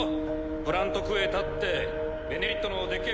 プラント・クエタって「ベネリット」のでっけぇ